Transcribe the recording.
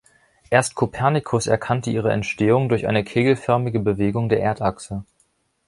Erst Kopernikus erkannte ihre Entstehung durch eine kegelförmige Bewegung der Erdachse.